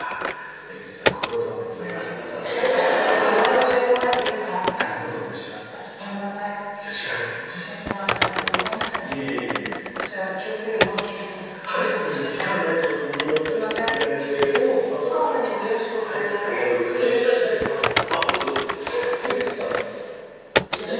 江口さんだったら。